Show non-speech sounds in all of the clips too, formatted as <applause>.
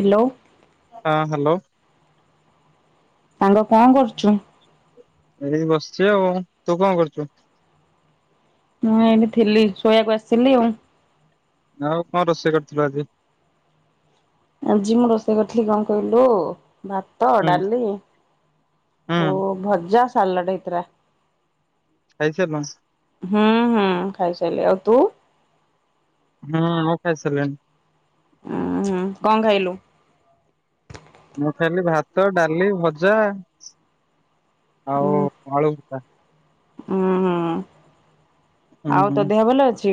Hello. ହଁ hello. ସାଙ୍ଗ କଣ କରୁଚୁ? ଏଇ ବସିଚି ଆଉ ତୁ କଣ କରୁଚୁ? ମୁଁ ଏଇଠି ଥିଲି ଶୋଇବାକୁ ଆସିଲି ଆଉ। ଆଉ କଣ ରୋଷେଇ କରିଥିଲୁ ଆଜି? ଆଜି ମୁଁ ରୋଷେଇ କରିଥିଲି କଣ କହିଲୁ ଭା ଭାତ ହୁଁ ଡାଲି ଓ ହୁଁ ଭଜା ସାଲାଡେ ହେଇଥିଲା। ଖାଇ <unintelligible> ହଁ ହଁ ଖାଇସାରିଲି ଆଉ ତୁ? ହୁଁ ମୁଁ ଖାଇସାରିଲିଣି। ଉଁ ହୁଁ କଣ ଖାଇଲୁ? ମୁଁ ଖାଇଲି ଭାତ ଡାଲି ଭଜା ଆଉ ଆଳୁ ଚକଟା। ଉୁଁ ହୁଁ। ଉଁ ଆଉ ହୁଁ ତୋ ଦେହ ଭଲ ଅଛି?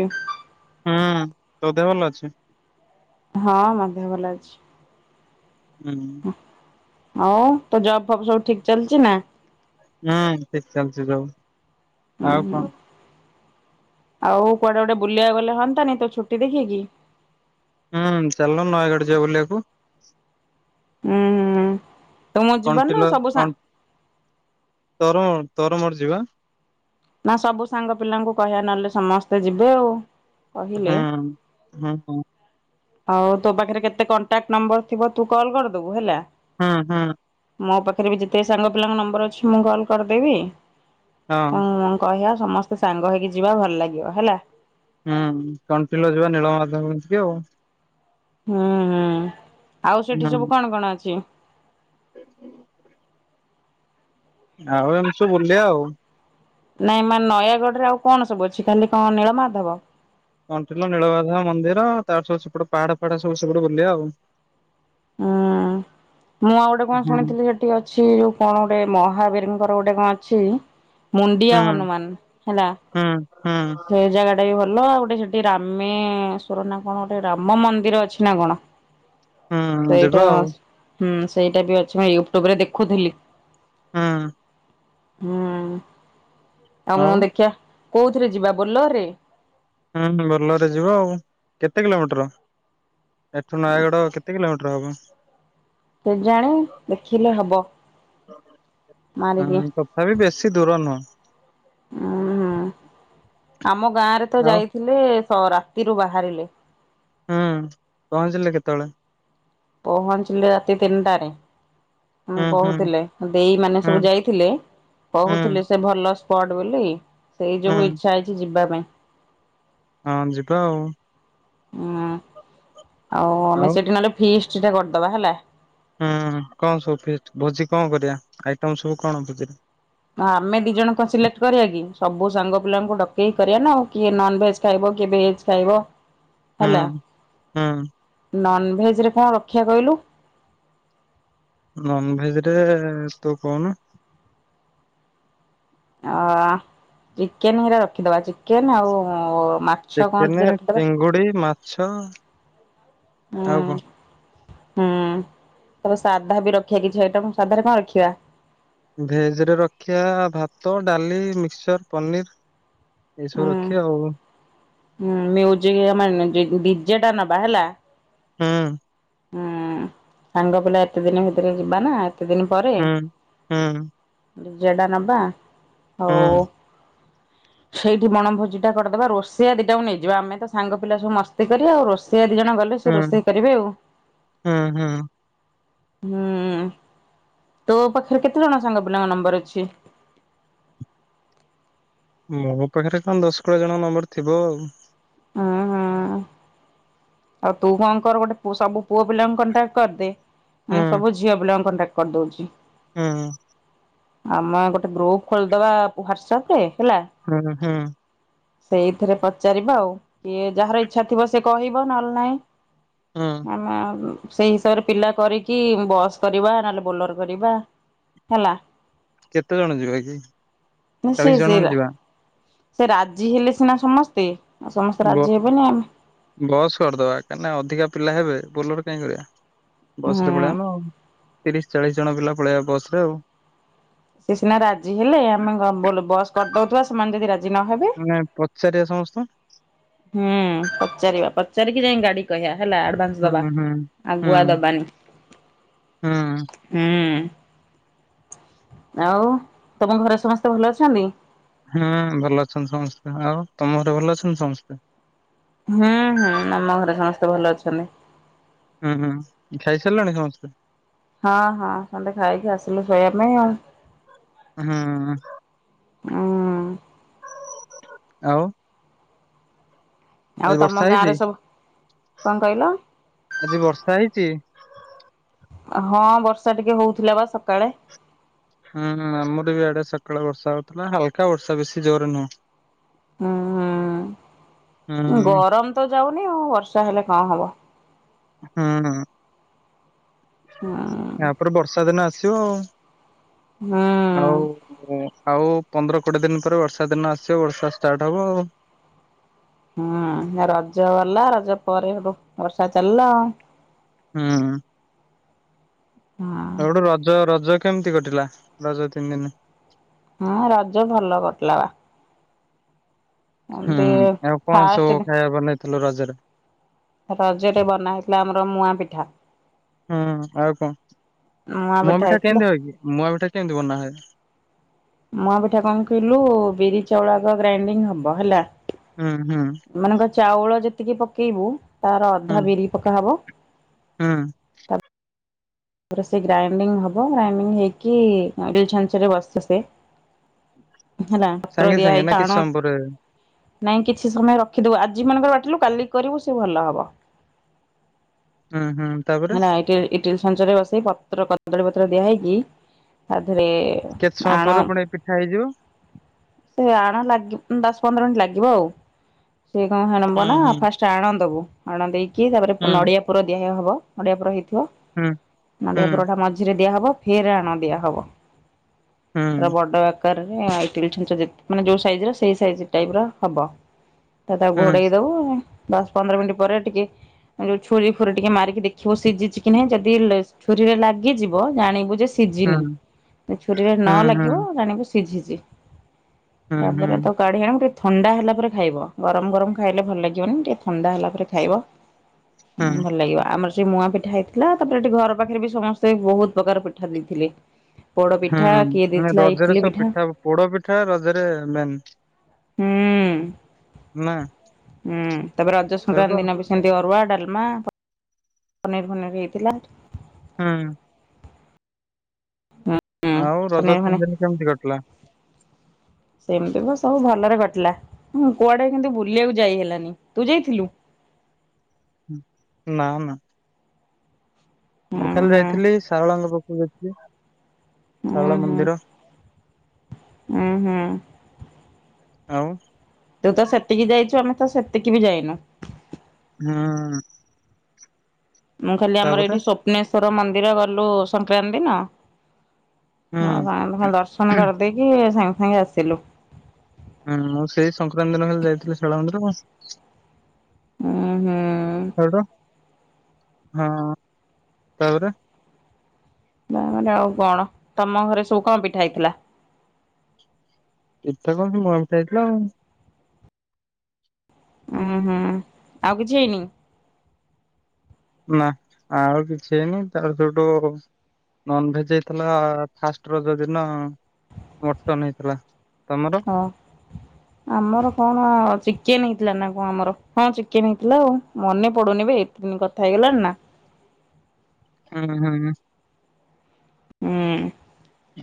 ହୁଁ ତୋ ଦେହ ଭଲ ଅଛି? ହଁ ମଦେହ ଭଲ ଅଛି। ହୁଁ। ଆଉ ତୋ ଜବ୍ ଫବ୍ ସବୁ ଠିକ୍ ଚାଲିଚିନା? ହୁଁ ଠିକ୍ ଚାଲିଚି ସବୁ ହୁଁ ଆଉ ହୁଁ। କଣ? ଆଉ କୁଆଡ଼େ ଗୋଟେ ବୁିଲିବାକୁ ଗଲେ ହନ୍ତାନି ତୋଛୁଟି ଦେଖିକି। ହୁଁ ଚାଲୁନୁ ନୟାଗଡ଼ ଯିବା ବୁଲିବାକୁ? ଉଁ ହୁଁ ତୁ ମୁଁ କଣ୍ଟିଲ ଯିବାନା ସବୁ ସା ତର ତର ମର ଯିବା। ନା ସବୁ ସାଙ୍ଗ ପିଲାଙ୍କୁ କହିବା ନହେଲେ ସମସ୍ତେ ଯିବେ ଆଉ। କହିଲେ ହୁଁ ହୁଁ ହୁଁ। ଆଉ ତୋପାଖେରେ କେତେ କଣ୍ଟାକ୍ଟ ନମ୍ବର ଥିବ ତୁକଲ୍ କରିଦବୁ ହେଲା ହଁ ହଁ। ମୋ ପାଖେରେବି ଯେତେ ସାଙ୍ଗ ପିଲାଙ୍କ ନମ୍ବର ଅଛି ମୁଁ କଲ୍ କରିଦେବି ତୁ ହଁ ମୁଁ କହିବା ସମସ୍ତେ ସାଙ୍ଗ ହେଇକି ଯିବା ଭଲ ଲାଗିବ ହେଲା। ହୁଁ କଣ୍ଟିଲ ଯିବା ନୀଳମାଧବଙ୍କ କତିକି ଆଉ। ହୁଁ ହୁଁ ଆଉ ସେଠି ସବୁ ହୁଁ କଣ କଣ ଅଛି? ଆଉ ଏମିତି ସବୁ ବୁଲିବା ଆଉ। ନାଇଁ ମାନେ ନୟାଗଡ଼ରେ ଆଉ କଣ ସବୁ ଅଛି ଖାଲି କଣ ନୀଳମାଧବ? କଣ୍ଟିଲ ନୀଳମାଧବ ମନ୍ଦିର ତାପରେ ସବୁ ସେପଟେ ପାହାଡ଼ ଫାହାଡ଼ ସବୁ ସେପଟେ ବୁଲିବା ଆଉ। ହୁଁ ମୁଁ ଆଉ ଗୋଟେ କଣ ହୁଁ। ଶୁଣିଥିଲି ହେ ଟି ଅଛି ଯୋଉ କଣ ଗୋଟେ ମହାବୀରିଙ୍କର ଗୋଟେ କଣ ଅଛି ମୁଣ୍ଡିଆ ହୁଁ ହନୁମାନ ହେଲା ହୁଁ ହୁଁ ସେଇ ଜାଗା ଟାବି ଭଲ ଆଉ ଗୋଟେ ସେଠି ରାମେଶ୍ଵରନା କଣ ଗୋଟେ ରାମ ମନ୍ଦିର ଅଛିନା କଣ। ହୁଁ ଯିବା ସେଇଟା ଆଉ ହୁଁ ସେଇଟାବି ଅଛି ମୁଁ ୟୁଟ୍ୟୁବରେ ଦେଖୁଥିଲି। ହୁଁ। ହୁଁ ଆଉ ମୁଁ ଦେଖିଆ କୋଉଥିରେ ଯିବା ବୋଲରରେ? ହୁଁ ହୁଁ ବୋଲରରେ ଯିବା ଆଉ କେତେ କିଲୋମିଟର୍? ଏଠୁ ନୟାଗଡ଼ କେତେ କିଲୋମିଟର୍ ହବ? କେଜାଣି ଦେଖିଲେ ହବ। ଅଁ ମାରିକି ଉଁ ତଥାବି ବେଶୀ ଦୂର ନୁହଁ। ଉୁଁ ହୁଁ ଆମ ଗାଁରେତ ଆଉ ଯାଇଥିଲେ ସ ରାତିରୁ ବାହାରିଲେ। ହୁଁ ପହଞ୍ଚିଲେ କେତେବେଳେ? ପହଞ୍ଚିଲେ ରାତି ତିନିଟାରେ। ଉଁ ହୁଁ ହୁଁ କହୁଥିଲେ ଦେଇ ମାନେ ହୁଁ ସବୁ ଯାଇଥିଲେ ହୁଁ କହୁଥିଲେ ସେ ଭଲ ସ୍ପଟ୍ ବୋଲି ସେଇଯୋଗୁ ହୁଁ ଇଚ୍ଛା ହେଇଚି ଯିବା ପାଇଁ। ହଁ ଯିବା ଆଉ। ହୁଁ ଆଉ ଆମେ ସେଠି ନହେଲେ ଫିଷ୍ଟଟା କରିଦବା ହେଲା। ହୁଁ କଣ ସବୁ ଫିଷ୍ଟ ଭୋଜି କଣ କରିବା ଆଇଟମ୍ ସବୁ କଣ ଭୋଜିରେ? ମା ଆମେ ଦି ଜଣଙ୍କ କଁ ସିଲେକ୍ଟ କରିବାକି ସବୁ ସାଙ୍ଗ ପିଲାଙ୍କୁ ଡକେଇକି କରିବାନା ଆଉ କିଏ ନନ୍ ଭେଜ୍ ଖାଇବ କିଏ ଭେଜ୍ ଖାଇବ ହେଲା ହୁଁ ହୁଁ। ନନଭେଜରେ କଁ ରଖିବା କହିଲୁ। ନନ୍ ଭେଜରେ ତୁ କହୁନୁ? ଆ ଚିକେନ୍ ହରା ରଖିଦବା ଚିକେନ୍ ଆଉ ମା ଚିକେନ୍, ଚିଙ୍ଗୁଡ଼ି ମାଛ ହୁଁ ଆଉ କଁ? ହୁଁ ତାପରେ ସାଧା ବି ରଖିବା କିଛି ଆଇଟମ୍। ସାଧାରେ କଣ ରଖିବା? ଭେଜ ରେ ରଖିଆ ଭାତ ଡାଲି ମିକ୍ସଚର ପନିର। ଏଇସବୁ ହୁଁ ରଖିବା ଆଉ। ହୁଁ ମୀଉଜିକ ନେବା କେମିତି? ଡିଜେ ଟା ନବା ହେଲା। ହୁଁ। ହୁଁ ସାଙ୍ଗ ପିଲା ଏତେ ଦିନ ଭିତରେ ଯିବା ନା ଏତେ ଦିନ ପରେ ହୁଁ ହୁଁ ଡିଜେ ଟା ନବା ହୁଁ ଆଉ ସେଇଠି ବଣଭୋଜି ଟା କରିଦବା ରୋଷେଇଆ ଦି ଟାକୁ ନେଇଯିବା। ଆମେ ତ ସାଙ୍ଗ ପିଲା ସବୁ ମସ୍ତି କରିବା ଆଉ ରୋଷେଇଆ ଦିଜଣ ଗଲେ ଲେ ସେ ହୁଁ ରୋଷେଇ କରିବେ ଆଉ। ହୁଁ ହୁଁ। ହୁଁ ତୋ ପାଖରେ କେତେ ଜଣ ସାଙ୍ଗ ପିଲାଙ୍କ ନମ୍ବର ଅଛି। ମୋ ପାଖରେ ତ କଣ ଦଶ କୋଡିଏ ଜଣଙ୍କ ନମ୍ବର ଥିବ ଆଉ। ଉଁ ହୁଁ। ଆଉ ତୁ କଣ କର ଗୋଟେ ପୁଅ ସବୁ ପୁଅ ପିଲାଙ୍କୁ କଣ୍ଟାକ୍ଟ କରିଦେ ହୁଁ ମୁଁ ସବୁ ଝିଅ ପିଲାଙ୍କୁ କଣ୍ଟାକ୍ଟ କରିଦଉଚି। ହୁଁ। ଆମ ଗୋଟେ ଗ୍ରୁପ ଖୋଲିଦବା ହ୍ଵାଟସଆପ ରେ ହେଲା। ହୁଁ ହୁଁ। ସେଇଥିରେ ପଚାରିବ ଆଉ କିଏ ଯାହାର ଇଚ୍ଛା ଥିବ ସେ କହି ନ ନଲେ ନାଇ। ହୁଁ। ଆମ ସେଇ ହିସାବରେ ପିଲା କରିକି ବସ୍ କରିବା ନହେଲେ ବୋଲର କରିବା। ହେଲା। କେତେ ଜଣ ଯିବା କି? ସେ ସେ ଚାଳିଶ ଜଣ ଖଣ୍ଡେ ସେରା ଯିବା। ସେ ରାଜି ହେଲେ ସିନା ସମସ୍ତେ। ଆଉ ସମସ୍ତେ ବ ରାଜି ହେବେନା ଆମ ବସ୍ କରିଦବା କାହିଁକିନା ଅଧିକା ପିଲା ହେବେ ବୋଲର କାହିଁ କରିବା? ବସ ରେ ପଳେଇବା ହୁଁ ନା ଆଉ। ତିରିଶ ଚାଳିଶ ଜଣ ପିଲା ପଳେଇବା ବସ ରେ ଆଉ। ସି ସିନା ରାଜି ହେଲେ ଆମେ ଗ ବ ବଲ ବସ୍ କରିଦଉଥିବା ସେମାନେ ଯଦି ରାଜି ନହବେ। ନା ପଚାରିବା ସମସ୍ତୁଙ୍କୁ। ହୁଁ ପଚାରିବା ପଚାରିକି ଯାଇକି ଗାଡ଼ି କହିବା ହେଲା। ଆଡ ଆଡଭନ୍ସ ହୁଁ ଦବା ହୁଁ ଆଉ ହୁଁ ଗୁଆ ଦବାନି। ହୁଁ। ହୁଁ ଆଉ ତମ ଘରେ ସମସ୍ତେ ଭଲ ଅଛନ୍ତି? ହଁ ଭଲ ଅଛନ୍ତି ସମସ୍ତେ। ଆଉ ତମ ଘରେ ଭଲ ଅଛନ୍ତି ସମସ୍ତେ? ହୁଁ ହୁଁ ଆମ ଘରେ ସମସ୍ତେ ଭଲ ଅଛନ୍ତି। ହୁଁ ହୁଁ ଖାଇ ସାରିଲଣି ସମସ୍ତେ? ହଁ ହଁ ସମତେ ଖାଇକି ଆସିଲୁ ଶୋଇବା ପାଇଁ ଆଉ। ହୁଁ। ଉଁ ଆଉ? ଆଉ ଆଜି ତମ ବର୍ଷା ଗାଁ ହେଇଚି? ରେ ସବୁ କଣ କହିଲ? ଆଜି ବର୍ଷା ହେଇଚି? ହଁ ବର୍ଷା ଟିକେ ହଉଥିଲା ବା ସକାଳେ। ହୁଁ ଆମର ବି ଆଡେ ସକାଳେ ବର୍ଷା ହଉଥିଲା। ହାଲକା ବର୍ଷା ବେଶୀ ଜୋରେ ନୁହଁ। ହୁଁ ହୁଁ। ହୁଁ ଗରମ ତ ଯାଉନି ଆଉ ବର୍ଷା ହେଲେ କଣ ହବ? ହୁଁ ହୁଁ। ହୁଁ। ୟାପରେ ବର୍ଷା ଦିନ ଆସିବ ଆଉ। ହୁଁ। ଆଉ ଆଉ ପନ୍ଦର କୋଡିଏ ଦିନ ପରେ ବର୍ଷା ଦିନ ଆସିବ ବର୍ଷା ଷ୍ଟାର୍ଟ ହବ ଆଉ। ହୁଁ ରଜ ଗଲା ରଜ ପରେ ହେଠୁ ବର୍ଷା ଚାଲିଲା ଆଉ। ହୁଁ। ହଁ ଆଉ ହେଟୁ ରଜ ରଜ କେମିତି କଟିଲା ରଜ ତିନି ଦିନି? ହଁ ରଜ ଭଲ କଟିଲା ବା। ହୁଁ ଏମତି ଆଉ କଣ ଫାଷ୍ଟ ସବୁ ଖାଇବା ବନେଇଥିଲୁ ରଜରେ? ରଜରେ ବନା ହେଇଥିଲା ଆମର ମୁଆଁ ପିଠା। ହୁଁ ଆଉ କଣ, ମୁଆଁ ମୁଆ ପିଠା ମିିଠା ହେଇଥିଲା। କେମିତି ହ କି ମୁଆ ପିଠା କେମିତି ବନା ହୁଏ? ମୁଁଆ ପିଠା କଣ କହିଲୁ ବିରି ଚାଉଳ ଆଗ ଗ୍ରାଇଣ୍ଡିଙ୍ଗ ହବ ହେଲା। ହୁଁ ହୁଁ। ମାନେ ଙ୍କ ଚାଉଳ ଯେତିକି ପକେଇବୁ ତାର ହୁଁ ଅଧା ବିରି ପକାହବ। ହୁଁ। ତାପରେ ସେ ଗ୍ରାଇଣ୍ଡିଙ୍ଗ ହବ ଗ୍ରାଇଣ୍ଡିଙ୍ଗ ହେଇକି ଇଟିଲି ଛାଞ୍ଚ ରେ ବସେ ସେ। ହେଲା ପତ୍ର ସାଙ୍ଗେ ଦିଆ ସାଙ୍ଗେ ନା ହେଇକି କିଛି ଆଣ ସମୟ ପରେ? ନାଇଁ କିଛି ସମୟ ରଖିଦବୁ, ଆଜି ମନେକର ବାଟିଲୁ କାଲିକି କରିବୁ ସେ ଭଲ ହବ। ହୁଁ ହୁଁ ତାପରେ ହେଲା ଏଇଟର ଇ ଚ୍ଛାଞ୍ଚରେ ବସେଇ ପତ୍ର କଦଳୀ ପତ୍ର ଦିଆହେଇକି ତା ଦେହରେ କେତେ ସମୟ ଆଣ ପରେ ପୁଣି ଏ ପିଠା ହେଇଯିବ। ସେ ଆଣ ଲାଗ ଦଶ ପନ୍ଦର ମିନିଟ ଲାଗିବ ଆଉ, ସିଏ କଣଣବ ହୁଁ ନା ହୁଁ ଫାଶ୍ ଚାଣ ଦେବୁ, ଆଣ ଦେଇକି ତାପରେ ପୁ ହୁଁ ନଡ଼ିଆ ପୁର ଦିଆ ହେବ ନଡ଼ିଆ ପୁର ହେଇଥିବ। ହୁଁ। ହୁଁ ନଡ଼ିଆ ପୁରଟା ମଝିରେ ଦିଆହବ ଫେରେ ଆଣ ଦିଆହବ ହୁଁ ତାର ବଡ ଗା ଆକାରରେ ଇଟିଲ୍ ଛାଞ୍ଚ ଯେ ମାନେ ଯୋଉ ସାଇଜର ସେଇ ସାଇଜ ଟାଇପି ର ହବ। ତ ତାକୁ ହୁଁ ଘୋଡେଇ ଦବୁ ଦଶ ପନ୍ଦର ମିନିଟ୍ ପରେ, ଟିକେ ଯୋଉ ଛୁୁରୀ ଫୁରି ଟିକେ ମାରିକି ଦେଖିବୁ ସିଝିଛି କି ନାହିଁ ଯଦି ଦିଲେ ଛୁରୀରେ ଲାଗିଯିବ ଜାଣିବୁ ଯେ ଶି ସିଝିନି ଯେ ଛୁରୀରେ ନ ହୁଁ ହୁଁ ଲାଗିବ ହୁଁ ଜାଣିବୁ ସିଝିଛି ହୁଁ ତାପରେ ହୁଁ। ତାକୁ କାଢି ଆଣିବୁ ଟିକେ ଥଣ୍ଡା ହେଲା ପରେ ଖାଇବ, ଗରମ ଗରମ ଖାଇଲେ ଭଲ ଲାଗିବନି ଟିକେ ଥଣ୍ଡା ହେଲା ପରେ ଖାଇବ। ହୁଁ ଭଲ ଲାଗିବ ଆମର ସେ ମୁୂଆଁ ପିଠା ହେଇଥିଲା। ତାପରେ ଏଠି ଘର ପାଖରେ ବି ସମସ୍ତେ ବହୁତ ପ୍ରକାର ପିଠା ଦେଇଥିଲେ। ପୋଡ଼ ହୁଁ ପିଠା କିଏ ମାନେ ଦେଇଥିଲା ରଜରେ ଇଟିଲି ସବୁ ପିଠା ପୋଡ ପିଠା ରଜରେ ମେନ୍। ହୁଁ। ନା? ହୁଁ ତାପରେ ରଜ ସଂକ୍ରାନ୍ତି ସେଇଠୁ ଦିନ ବି ସେମିତି ଅରୁଆ ଡାଲମା ପ ପନିର ଫନିର ହେଇ ଥିଲା। ହୁଁ। ହୁଁ ଆଉ ରଜ ପନିର ତିନି ଫନିର ଦିନ କେମିତି କଟିଲା? ସେମିତି ଭ ସବୁ ଭଲରେ କଟିଲା, କୁଆଡେ କିନ୍ତୁ ବୁଲିବାକୁ ଯାଇ ହେଲାନି। ତୁ ଯାଇଥିଲୁ? ନା ନା। ମୁଁ ହୁଁ ଖାଲି ହୁଁ ଯାଇଥିଲି ଶାରଳାଙ୍କ ପାଖକୁ ଯାଇଥିଲି। ହୁଁ ଶରଳା ହୁଁ ମନ୍ଦିର। ହୁଁ ହୁଁ ଆଉ ତୁ ତ ସେତିକି ଯାଇଛୁ ଆମେ ତ ସେତିକି ବି ଯାଇନୁ। ହୁଁ। ମୁଁ ଖାଲି ଆମର ତାପରେ ଏଇଠି ସ୍ୱପ୍ନେଶ୍ଵର ମନ୍ଦିର ଗଲୁ ସଂକ୍ରାନ୍ତି ଦିନ। ହଁ ହୁଁ ସାଆନ୍ତ ଙ୍କୁ ଖାଲି ଦର୍ଶନ କରିଦେଇକି ସାଙ୍ଗେ ସାଙ୍ଗେ ଆସିଲୁ। ହୁଁ ମୁଁ ସେଇ ସଂକ୍ରାନ୍ତି ଦିନ ଖାଲି ଯାଇଥିଲି ଶିଳା ମନ୍ଦିର କୁ। ଉଁ ହୁଁ। ସେଇଠୁ ହଁ ତାପରେ। ତା ପରେ ଆଉ କଣ ତମ ଘରେ ସବୁ କଣ ପିଠା ହେଇଥିଲା। ପିଠା କଣ ସେଇ ମୁହାଁ ପିଠା ହେଇଥିଲା ଆଉ। ଉଁ ହୁଁ ଆଉ କିଛି ହେଇନି। ନା ଆଉ କିଛି ହେଇନି ତାପରେ ସେଇଠୁ। ନନଭେଜ ହେଇଥିଲା ଫାଷ୍ଟ ରଜ ଦିନ। ମଟନ ହେଇଥିଲା ତମର। ହଁ। ଆମର କଣ ଚିକେନ ହେଇଥିଲା ନା କଁ ଆମର ହଁ ଚିକେନ ହେଇଥିଲା ଆଉ ମନେ ପଡୁନି ବେ। କେତେ ଦିନି କଥା ହେଇଗଲାଣି ନା। ହୁଁ ହୁଁ। ହୁଁ।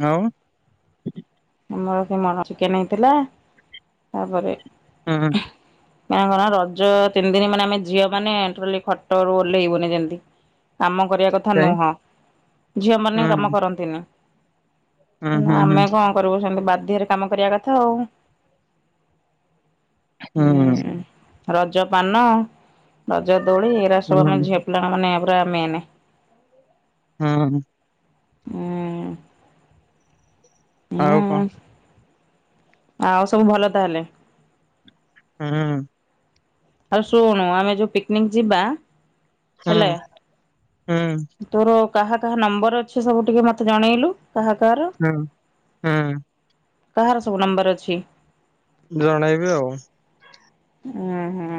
ଆଉ। ଆମର ସେ ଚିକେନ ହେଇଥିଲା ତାପରେ। ହୁଁ। ନାଁ କଁ ନା ରଜ ତିନି ଦିନ ମାନେ ଆମେ ଝିଅ ମାନେ ଟୋଟାଲି ଖଟ ରୁ ଓହ୍ଲେଇବୁନି ଯେମିତି। କାମ କରିବା କଥା କାଇଁ ନୁହଁ ଝିଅ ମାନେ ହୁଁ କାମ କରନ୍ତିନି। ହୁଁ କିନ୍ତୁ ହୁଁ ଆମେ କଁ ‌କରିବୁ ସେମିତି ବାଧ୍ୟରେ କାମ କରିବା କଥା ଆଉ। ହୁଁ। ରଜ ପାନ ରଜ ଦୋଳି ଏଇରା ହୁଁ ସବୁ ହୁଁ ଆମେ ଝିଅ ପିଲା ମାନେ ପୁରା ମେନେ। ହୁଁ। ଉଁ। ଆଉ କଁ। ଉଁ ଆଉ ସବୁ ଭଲ ତାହେଲେ। ହୁଁ। ଆଉ ଶୁଣୁ ଆମେ ଯୋଉ ପିକ୍ନିକ୍ ଯିବା। ହୁଁ ହେଲା ହୁଁ। ତୋର କାହା କାହା ନମ୍ବର ଅଛି ସବୁ ଟିକେ ମତେ ଜଣେଇଲୁ କାହା କାହାର। ହୁଁ ହୁଁ। କାହାର ସବୁ ନମ୍ବର ଅଛି। ଜଣେଇବି ଆଉ। ଉଁ ହୁଁ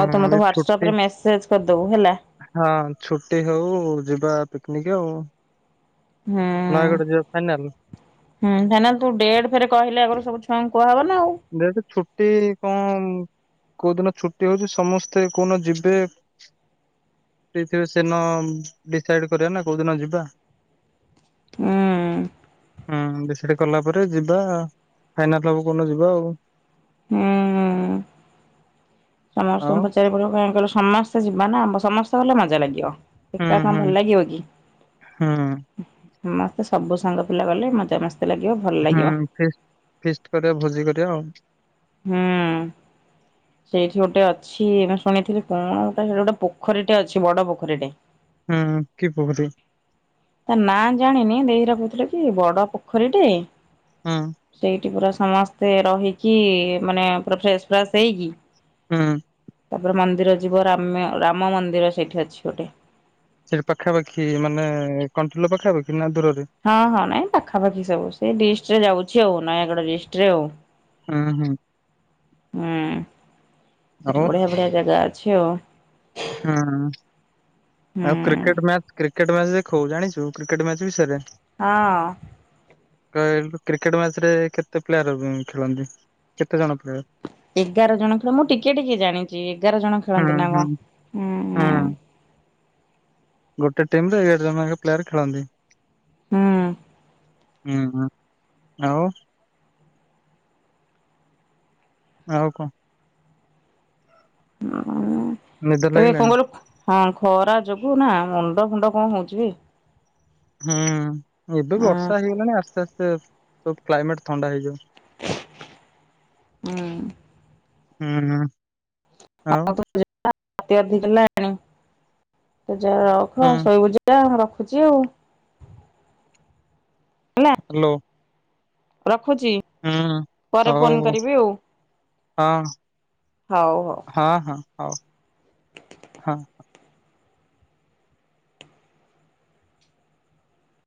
ହଉ ତୁ ଏଇ ମତେ ହ୍ଵାଟସପ୍ ଛୁଟି ରେ ମେସେଜ କରିଦବୁ ହେଲା। ହଁ ଛୁଟି ହଉ ଯିବା ପିକନିକ୍ ଆଉ। ହୁଁ। ନୟାଗଡ଼ ଯିବା ଫାଇନାଲ। ହୁଁ ଫାଇନାଲ ତୁ ଡେଟ୍ ଫେରେ କହିଲେ ଆଗରୁ ସବୁ ଛୁଆଙ୍କୁ କୁହା ହବ ନା ଆଉ। ଡେଟ୍ ଛୁଟି କଁ। କୋଉ ଦିନ ଛୁଟି ହଉଛି ସମସ୍ତେ କୋନ ଯିବେ। ଫ୍ରି ଥିବେ ସେଇ ଦିନ ଡିସାଇଡ୍ କରିବା ନା କୋଉଦିନ ଯିବା। ଉଁ। ହୁଁ ହୁଁ ବିସେଠି କଲା ପରେ ଯିବା ଫାଇନାଲ ହବ କୋଉଦିନ ଯିବା ଆଉ। ହୁଁ। ସମସ୍ତଙ୍କୁ ଆଉ ପଚାରି ବାକୁ ପଡିବ କା କହିଲ ସମସ୍ତେ ଯିବା ନା। ସମସ୍ତେ ଗଲେ ମଜା ଲାଗିବ। ହୁଁ ଏକା କଣ ହୁଁ ଭଲ ଲାଗିବ କି? ହୁଁ। ସମସ୍ତେ ସବୁ ସାଙ୍ଗ ପିଲା ଗଲେ ମଜା ମସ୍ତି ଲାଗିବ। ଭଲ ହୁଁ ଲାଗିବ ଫି ଫିଷ୍ଟି କରିବା ଭୋଜି କରିବା ଆଉ। ହୁଁ। ସେଇଠି ଗୋଟେ ଅଛି ଶୁଣିଥିଲି କଣ ଗୋଟ ସେଠି ଗୋଟେ ପୋଖରୀଟେ ଅଛି ବଡ ପୋଖରୀଟେ। ହଁ। କି ପୋଖରୀ? ତା ନାଁ ଜାଣିନି ଦେଇଘିରା ହୀରା କହୁଥିଲେ କି। ବଡ ପୋଖରୀ ଟେ। ହଁ। ସେଇଠି ପୁରା ସମସ୍ତେ ରହିକି। ମାନେ ପୁରା ଫ୍ରେଶେ ଫ୍ରାଶ ହେଇକି। ହୁଁ। ତାପରେ ମନ୍ଦିର ଯିବ ରାମେ ରାମ ମନ୍ଦିର ସେଇଠି ଅଛି ଗୋଟେ। ସେଠି ପାଖାପାଖି ମାନେ କଣ୍ଟ୍ରୋଲୋ ପାଖାପାଖି ନା ଦୂରରେ? ହଁ ହଁ ନାଇଁ ପାଖାପାଖି ସବୁ ସେ ଡିଷ୍ଟିରେ ଯାଉଛି ଆଉ ନୟାଗଡ ଡିଷ୍ଟିରେ ଆଉ। ହୁଁ ହୁଁ। ହୁଁ। ଆଉ ସେଠୁ ବଢିଆ ବଢିଆ ଜାଗା ଅଛି ଆଉ। ହୁଁ। ହୁଁ ଆଉ କ୍ରି କ୍ରିକେଟେ ମ୍ୟାଚ କ୍ରିକେଟେ ମ୍ୟାଚ ଦେଖୁ ଜାଣିଛୁ କ୍ରିକେଟ୍ ମ୍ୟାଚ ବିଷୟରେ। ହଁ। କୁ କ୍ରିକେଟ ମ୍ୟାଚରେ କେତେ ପ୍ଲେୟାର ଖେଳନ୍ତି? କେତେ ଜଣ ପ୍ରାୟ? ଏଗାର ଜଣ ଖେଳୁ। ମୁଁ ଟିକେ ଟିକେ ଜାଣିଛି ଏଗାର ଜଣ ଖେଳନ୍ତି ନା କଣ? ହୁଁ ହୁଁ ହଁ। ଗୋଟେ ଟିମ ରେ ଏଗାର ଜଣ ପ୍ଲେୟାର ଖେଳନ୍ତି। ହୁଁ। ହୁଁ ହଁ ଆଉ ଆଉ କଣ ନିଦ <unintelligible> ବେ କଣ ଲାଗିଲାଣି? କରିଲୁ। ହଁ ଖରା ଯୋଗୁ ନା ମୁଣ୍ଡ ଫୁଣ୍ଡ କଣ ହଉଛି? ହୁଁ ଏବେ ବି ହଁ ବର୍ଷା ହେଇଗଲାଣି ଆସ୍ତେ ଆସ୍ତେ ସବୁ କ୍ଲାଇମେଟ ଥଣ୍ଡା ହେଇଯାଉ। ହୁଁ। ହୁଁ ହଁ। <unintelligible> ହୁଁ ରଖ ଶୋଇବୁ ଜା ଯ ରଖୁଛି ଆଉ। ହେଲା ହ୍ୟାଲୋ। ରଖୁଛି ହୁଁ ପରେ ଫୋନ ହଉ କରିବି ଆଉ। ହଁ ହଉ ହଉ। ହଁ ହଁ ହଉ ହ।